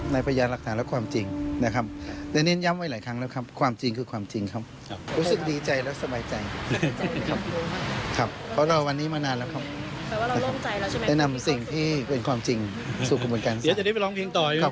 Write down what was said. ในพยานหลักฐานและความจริงนะครับแต่นี่ย้ำไว้หลายครั้งแล้วครับความจริงคือความจริงครับรู้สึกดีใจและสบายใจครับเพราะเราวันนี้มานานแล้วครับแนะนำสิ่งที่เป็นความจริงสู่กรุงการศึกษา